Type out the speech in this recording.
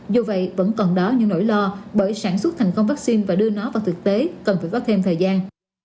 dù vậy vẫn còn đó những nỗi lo bởi sản xuất thành công vaccine và đưa nó vào thực tế cần phải có thêm thời gian